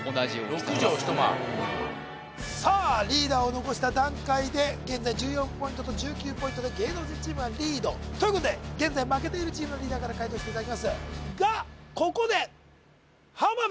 六畳一間さあリーダーを残した段階で現在１４ポイントと１９ポイントで芸能人チームがリードということで現在負けているチームのリーダーから解答していただきますがここで！